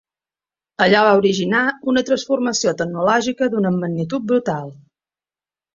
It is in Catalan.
Allò va originar una transformació tecnològica d’una magnitud brutal.